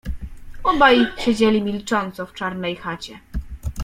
Obaj siedzieli milcząco w czarnej chacie.